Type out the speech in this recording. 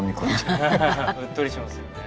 うっとりしますよね。